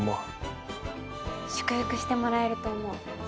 祝福してもらえると思う。